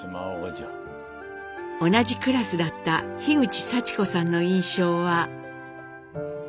同じクラスだった口早知子さんの印象は。